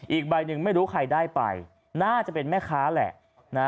อีกใบหนึ่งไม่รู้ใครได้ไปน่าจะเป็นแม่ค้าแหละ